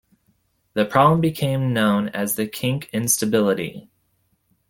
The problem became known as the "kink instability".